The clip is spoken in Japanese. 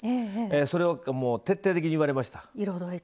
それを徹底的に言われました。